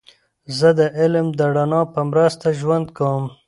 زه د علم د رڼا په مرسته ژوند کوم.